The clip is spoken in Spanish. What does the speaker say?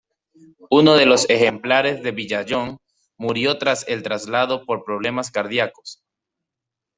Uno de los ejemplares de Villayón murió tras el traslado por problemas cardíacos.